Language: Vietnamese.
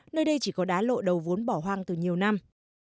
nơi đây chỉ có đá lộ đầu vốn bỏ hoang từ nhiều năm